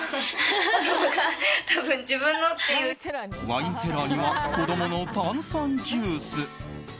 ワインセラーには子供の炭酸ジュース。